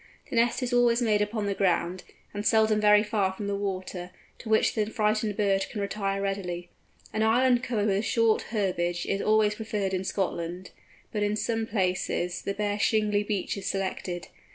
The nest is always made upon the ground, and seldom very far from the water, to which the frightened bird can retire readily. An island covered with short herbage is always preferred in Scotland, but in some places the bare shingly beach is selected.